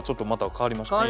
変わりましたよね。